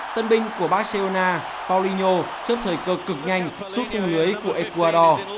tân binh của barcelona paulinho chấp thời cơ cực nhanh xuất tùng lưới của ecuador